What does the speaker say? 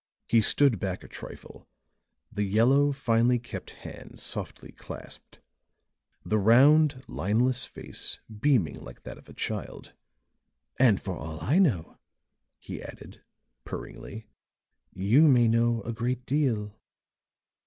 He stood back a trifle, the yellow, finely kept hands softly clasped; the round, lineless face beaming like that of a child. "And for all I know," he added, purringly, "you may know a great deal."